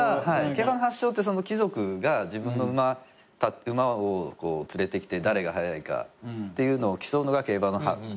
競馬の発祥って貴族が自分の馬を連れてきて誰が速いかっていうのを競うのが競馬の。